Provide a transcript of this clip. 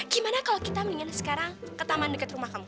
gimana kalau kita mendingan sekarang ke taman dekat rumah kamu